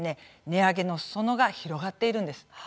値上げのすそ野が広がっているんです。